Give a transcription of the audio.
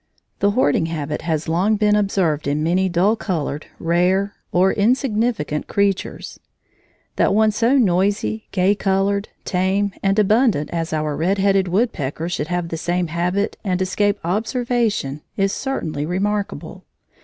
The hoarding habit has long been observed of many dull colored, rare, or insignificant creatures. That one so noisy, gay colored, tame, and abundant as our red headed woodpecker should have the same habit and escape observation is certainly remarkable.